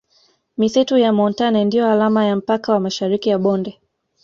Misitu ya montane ndiyo alama ya mpaka wa Mashariki ya bonde